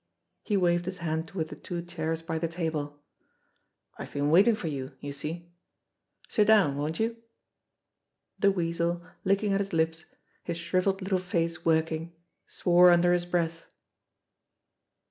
He waved his hand toward the two chairs by the table. "I've been waiting for you, you see. Sit down, won't you ?" The Weasel, licking at his lips, his shrivelled little face working, swore under his breath.